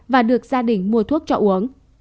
và được gia đình mua thuốc cho uống